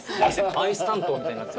アイス担当みたいになって。